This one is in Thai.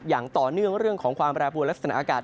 อย่างต่อเนื่องเรื่องของความแบรนด์ภูมิและสนากาศ